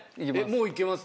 もういけます？